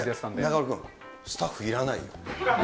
中丸君、スタッフいらないよ。